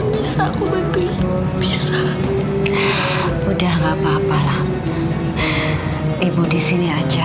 bisa bisa sudah gak parent of ibu disini aja